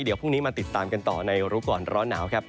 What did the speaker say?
เดี๋ยวพรุ่งนี้มาติดตามกันต่อในรู้ก่อนร้อนหนาวครับ